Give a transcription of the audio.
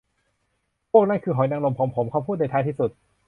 พวกนั้นคือหอยนางรมของผม เขาพูดในท้ายที่สุด